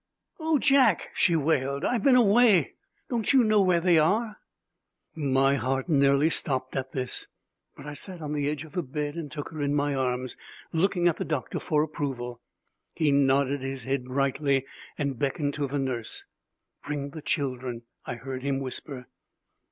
"Oh, Jack!" she wailed, "I have been away. Don't you know where they are?" My heart nearly stopped at this, but I sat on the edge of the bed and took her in my arms, looking at the doctor for approval. He nodded his head brightly and beckoned to the nurse. "Bring the children," I heard him whisper.